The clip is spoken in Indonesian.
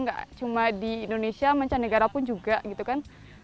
nggak cuma di indonesia mancanegara pun juga gitu kan